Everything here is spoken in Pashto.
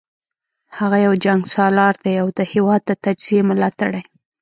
هغه یو جنګسالار دی او د هیواد د تجزیې ملاتړی